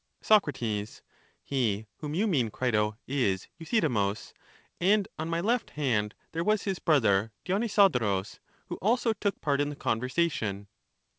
Soc. He whom you mean, Crito, is Euthydemus; and on my left hand there was his brother Dionyso dorus, who also took part in the conversation.